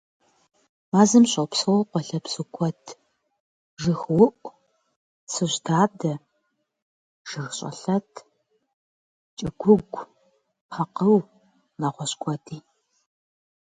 Мэзым щопсэу къуалэбзу куэд: жыгыуӀу, цӀыжьдадэ, жыгщӀэлъэт, кӀыгуугу, пэкъыу, нэгъуэщӀ куэди.